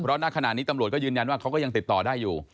เพราะณขณะนี้ตำรวจก็ยืนยันว่าเขาก็ยังติดต่อได้อยู่